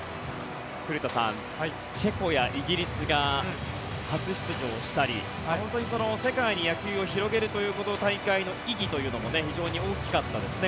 古田さん、チェコやイギリスが初出場したり世界に野球を広げるという大会の意義というのも非常に大きかったですね。